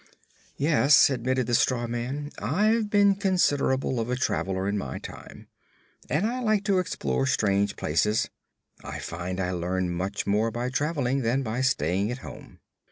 "Yes," admitted the straw man, "I've been considerable of a traveler, in my time, and I like to explore strange places. I find I learn much more by traveling than by staying at home."